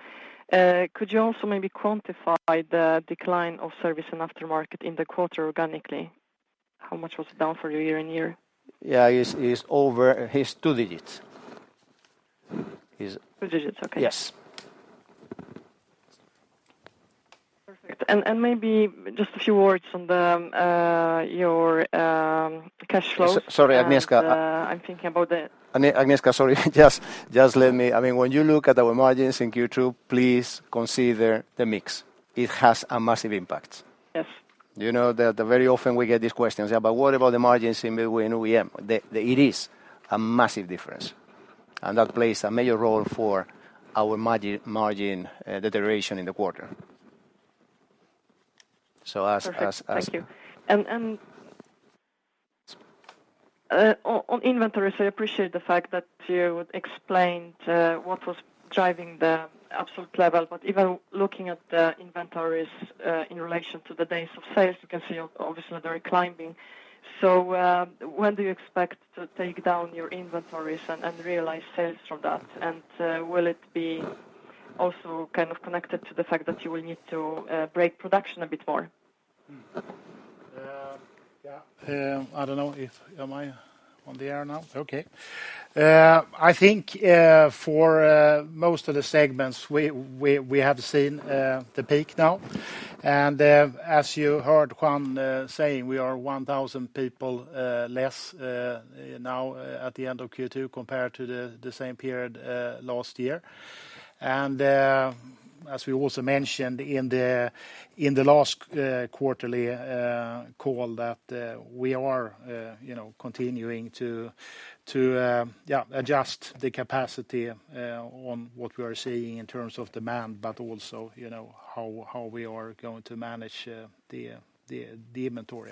Could you also maybe quantify the decline of service and aftermarket in the quarter organically? How much was it down for you year on year? Yeah. It's over. It's two digits. 2 digits. Okay. Yes. Perfect. Maybe just a few words on your cash flows. Sorry, Agnieszka. I'm thinking about the Agnieszka, sorry, just let me. I mean, when you look at our margins in Q2, please consider the mix. It has a massive impact. Yes. You know that very often we get these questions, "Yeah, but what about the margins in between OEM?" It is a massive difference, and that plays a major role for our margin deterioration in the quarter. So as Perfect. Thank you. On inventories, I appreciate the fact that you would explain what was driving the absolute level. Even looking at the inventories in relation to the days of sales, you can see obviously they're climbing. When do you expect to take down your inventories and realize sales from that? Will it be also kind of connected to the fact that you will need to break production a bit more? I think for most of the segments we have seen the peak now. As you heard Juan saying, we are 1,000 people less now at the end of Q2 compared to the same period last year. As we also mentioned in the last quarterly call that we are continuing to adjust the capacity on what we are seeing in terms of demand, but also how we are going to manage the inventory.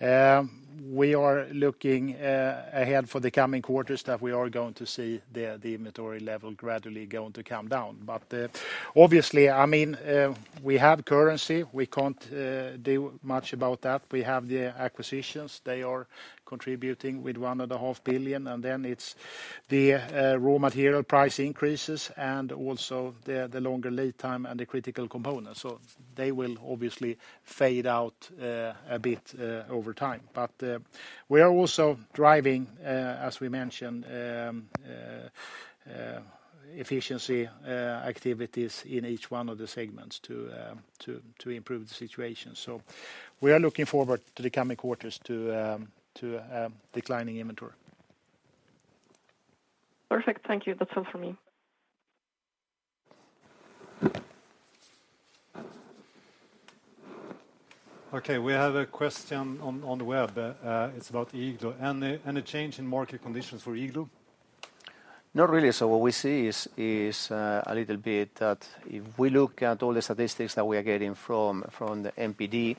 We are looking ahead for the coming quarters that we are going to see the inventory level gradually going to come down. Obviously, I mean, we have currency. We can't do much about that. We have the acquisitions. They are contributing with 1.5 billion, and then it's the raw material price increases and also the longer lead time and the critical components. They will obviously fade out a bit over time. We are also driving, as we mentioned, efficiency activities in each one of the segments to improve the situation. We are looking forward to the coming quarters to declining inventory. Perfect. Thank you. That's all for me. Okay. We have a question on the web. It's about Igloo. Any change in market conditions for Igloo? Not really. What we see is a little bit that if we look at all the statistics that we are getting from the NPD,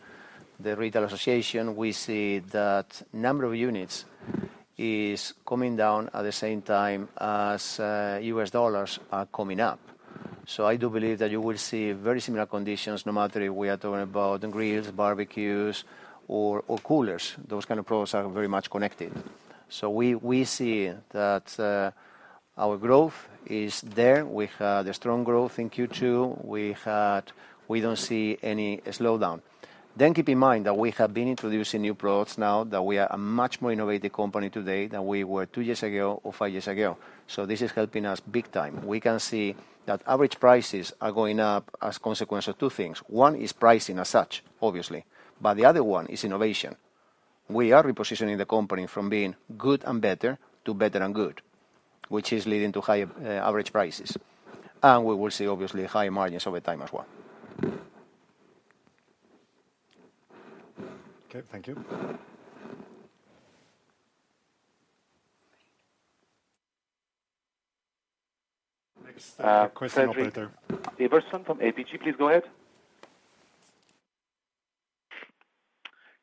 the retail association, we see that number of units is coming down at the same time as U.S. dollars are coming up. I do believe that you will see very similar conditions no matter if we are talking about grills, barbecues, or coolers. Those kind of products are very much connected. We see that our growth is there. We had a strong growth in Q2. We don't see any slowdown. Keep in mind that we have been introducing new products now that we are a much more innovative company today than we were two years ago or five years ago. This is helping us big time. We can see that average prices are going up as a consequence of two things. One is pricing as such, obviously, but the other one is innovation. We are repositioning the company from being good and better to better and good, which is leading to high average prices. We will see obviously higher margins over time as well. Okay. Thank you. Next question operator. Fredrik Ivarsson from ABG, please go ahead.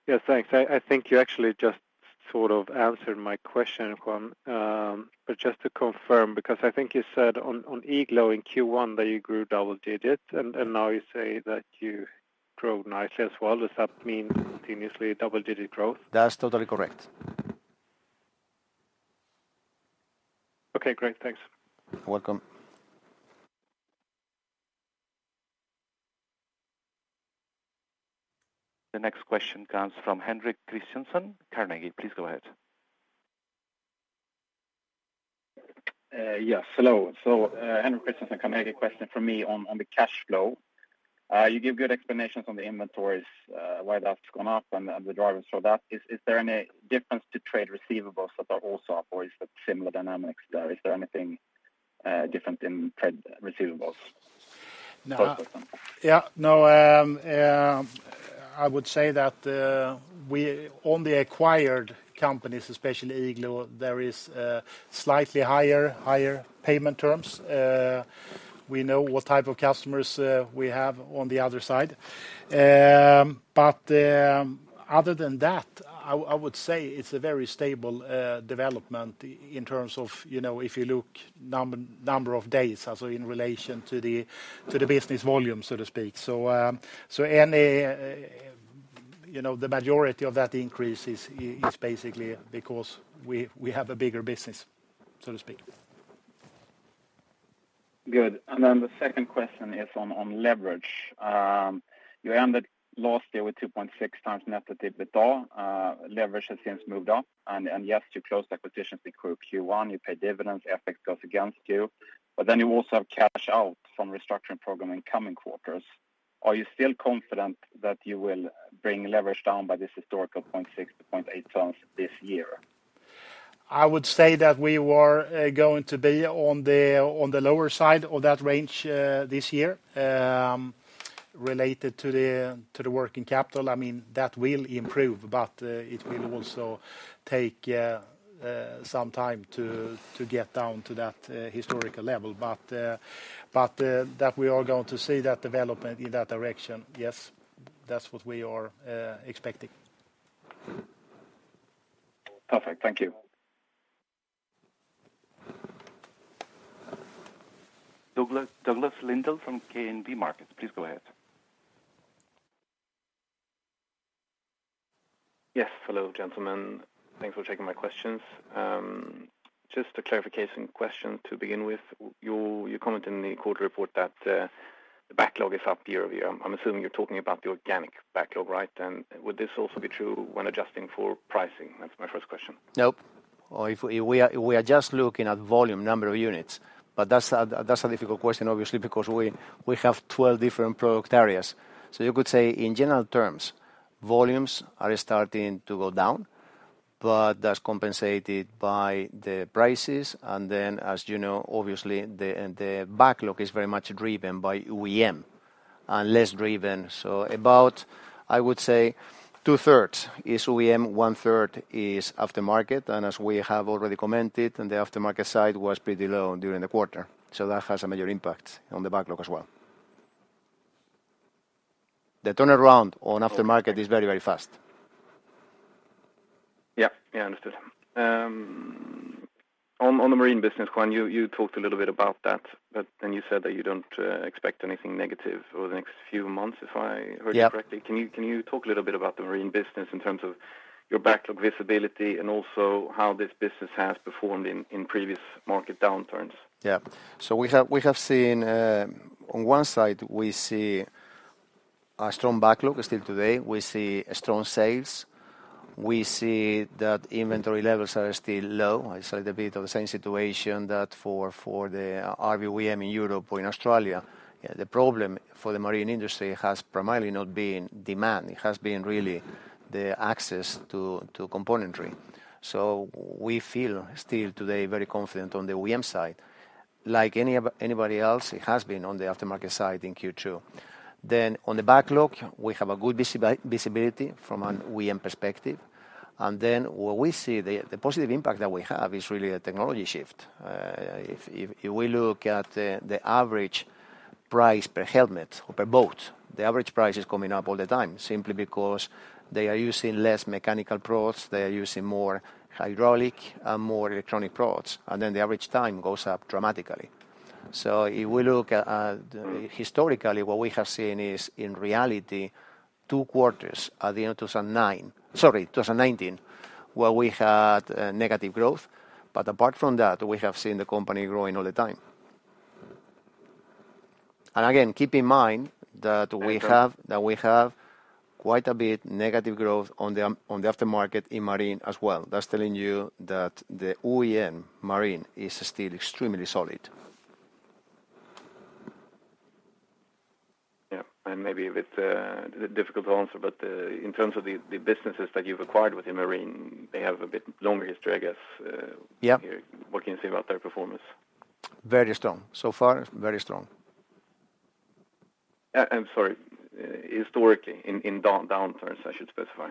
Yes, thanks. I think you actually just sort of answered my question, Juan. But just to confirm, because I think you said on Igloo in Q1 that you grew double digits, and now you say that you grow nicely as well. Does that mean continuously double-digit growth? That's totally correct. Okay, great. Thanks. You're welcome. The next question comes from Henrik Christiansen, Carnegie. Please go ahead. Yes. Hello. Henrik Christiansen, Carnegie. Question from me on the cash flow. You give good explanations on the inventories, why that's gone up and the drivers for that. Is there any difference to trade receivables that are also up, or is that similar dynamics there? Is there anything different in trade receivables? Yeah. No, I would say that, on the acquired companies, especially Igloo, there is slightly higher payment terms. We know what type of customers we have on the other side. Other than that, I would say it's a very stable development in terms of, if you look number of days, as in relation to the business volume, so to speak. Any, the majority of that increase is basically because we have a bigger business, so to speak. Good. The second question is on leverage. You ended last year with 2.6x net to EBITDA. Leverage has since moved up, and yes, you closed acquisitions through Q1, you paid dividends, FX goes against you. You also have cash out from restructuring program in coming quarters. Are you still confident that you will bring leverage down by this historical 0.6-0.8x this year? I would say that we were going to be on the lower side of that range this year. Related to the working capital, I mean, that will improve, but it will also take some time to get down to that historical level. That we are going to see that development in that direction, yes, that's what we are expecting. Perfect. Thank you. Douglas Lindahl from DNB Markets. Please go ahead. Yes. Hello, gentlemen. Thanks for taking my questions. Just a clarification question to begin with. You commented in the quarter report that the backlog is up year over year. I'm assuming you're talking about the organic backlog, right? Would this also be true when adjusting for pricing? That's my first question. No. If we are just looking at volume number of units, but that's a difficult question, obviously, because we have 12 different product areas. You could say in general terms, volumes are starting to go down, but that's compensated by the prices. As you know, obviously, the backlog is very much driven by OEM and less driven. About, I would say 2/3 is OEM, 1/3 is aftermarket. As we have already commented, the aftermarket side was pretty low during the quarter. That has a major impact on the backlog as well. The turnaround on aftermarket is very, very fast. Yeah. Yeah, understood. On the marine business, Juan, you talked a little bit about that, but then you said that you don't expect anything negative over the next few months, if I heard you correctly? Yeah. Can you talk a little bit about the marine business in terms of your backlog visibility and also how this business has performed in previous market downturns? We have seen on one side we see a strong backlog still today. We see strong sales. We see that inventory levels are still low. It's a bit of the same situation that for the RV OEM in Europe or in Australia. The problem for the marine industry has primarily not been demand. It has been really the access to componentry. We feel still today very confident on the OEM side. Like anybody else, it has been on the aftermarket side in Q2. On the backlog, we have a good visibility from an OEM perspective. What we see, the positive impact that we have is really a technology shift. If we look at the average price per hull or per boat, the average price is coming up all the time simply because they are using less mechanical products, they are using more hydraulic and more electronic products, and then the average time goes up dramatically. If we look historically, what we have seen is in reality 2 quarters at the end of 2019 where we had negative growth. Apart from that, we have seen the company growing all the time. Again, keep in mind that we have- And- That we have quite a bit negative growth on the aftermarket in marine as well. That's telling you that the OEM marine is still extremely solid. Yeah. Maybe a bit difficult to answer, but in terms of the businesses that you've acquired within marine, they have a bit longer history, I guess. Yeah. What can you say about their performance? Very strong. So far, very strong. I'm sorry, historically in downturns, I should specify.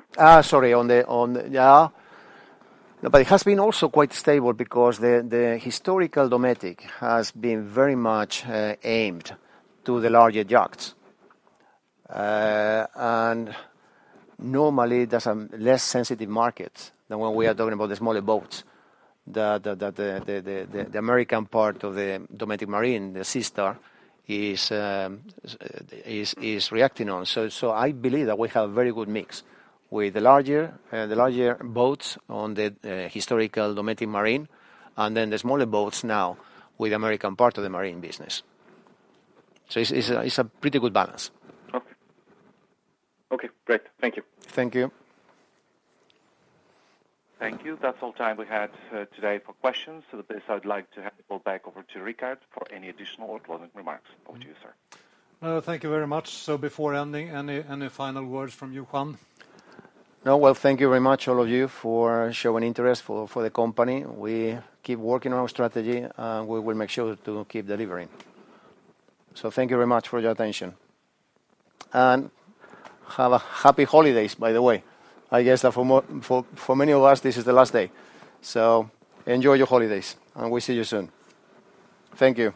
It has been also quite stable because the historical Dometic has been very much aimed to the larger yachts. Normally that's a less sensitive market than when we are talking about the smaller boats. The American part of the Dometic marine, the SeaStar is reacting on. I believe that we have very good mix with the larger boats on the historical Dometic marine, and then the smaller boats now with American part of the marine business. It's a pretty good balance. Okay. Okay, great. Thank you. Thank you. Thank you. That's all the time we had today for questions. At this, I'd like to hand people back over to Rikard for any additional or closing remarks. Over to you, sir. No, thank you very much. Before ending, any final words from you, Juan? No. Well, thank you very much all of you for showing interest for the company. We keep working on our strategy, and we will make sure to keep delivering. Thank you very much for your attention. Have a happy holidays, by the way. I guess that for many of us, this is the last day. Enjoy your holidays, and we'll see you soon. Thank you.